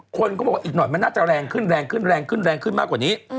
คนก็บอกอีกหน่อยมันน่าจะแรงขึ้นมากกว่านี้